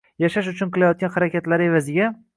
– yashash uchun qilayotgan harakatlari evaziga